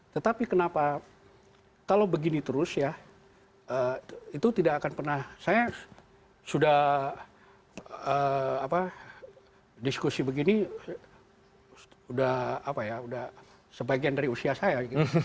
tetapi kenapa kalau begini terus ya itu tidak akan pernah saya sudah diskusi begini udah sebagian dari usia saya